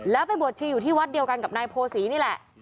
แล้วไปบวชชีอยู่ที่วัดเดียวกันกับนายโพศีนี่แหละ